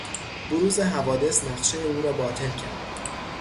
بروز حوادث نقشهٔ او را باطل کرد.